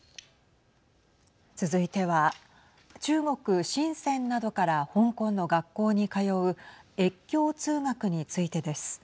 続いては中国、深せんなどから香港の学校に通う越境通学についてです。